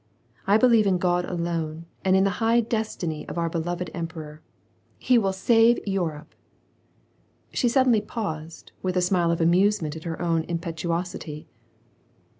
I believe in God alone, and in the high destiny of our beloved emperor. He will save Europe !"— She suddenly paused, with a smile of amusement at her own impetuosity.